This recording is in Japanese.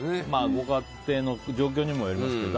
ご家庭の状況にもよりますけどね。